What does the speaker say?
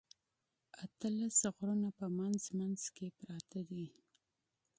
اتلس غرونه په منځ منځ کې پراته دي.